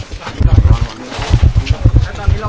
ดึงไปในเรื่องของดึงเข้าไปในกลุ่มค้ายา